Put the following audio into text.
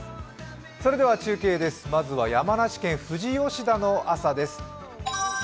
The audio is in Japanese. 中継です、まずは山梨県富士吉田の朝です。